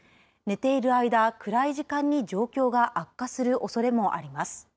寝ている間、暗い時間に状況が悪化するおそれもあります。